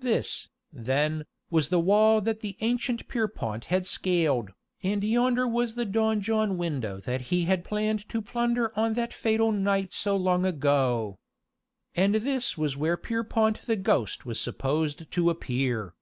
This, then, was the wall that the ancient Pierrepont had scaled, and yonder was the donjon window that he had planned to plunder on that fatal night so long ago. And this was where Pierrepont the Ghost was supposed to appear!